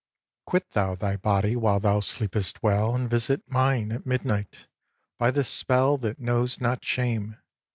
iii. Quit thou thy body while thou sleepest well And visit mine at midnight, by the spell That knows not shame.